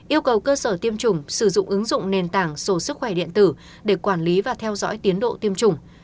yêu cầu cơ sở tiêm chủng sử dụng ứng dụng nền tảng số sức khỏe điện tử để quản lý và theo dõi tiến độ tiêm chủng